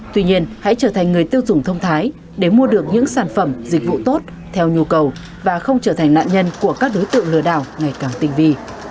tuy nhiên hãy trở thành người tiêu dùng thông thái để mua được những sản phẩm dịch vụ tốt theo nhu cầu và không trở thành nạn nhân của các đối tượng lừa đảo ngày càng tinh vi